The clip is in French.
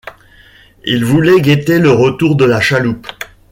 Il voulait guetter le retour de la chaloupe.